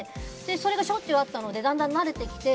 それがしょっちゅうあったのでだんだん慣れてきて。